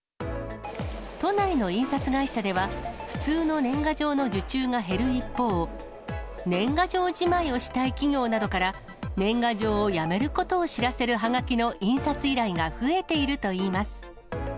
都内の印刷会社では、普通の年賀状の受注が減る一方、年賀状じまいをしたい企業などから、年賀状をやめることを知らせるはがきの印刷依頼が増えているといいます。